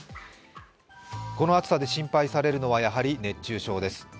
この暑さで心配されるのはやはり熱中症です。